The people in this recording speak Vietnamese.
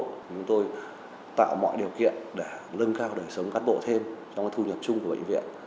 chúng tôi tạo mọi điều kiện để lưng cao đời sống cán bộ thêm trong thu nhập chung của bệnh viện